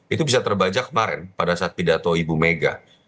itu bisa terbajak kemarin pada saat pidato ibu mega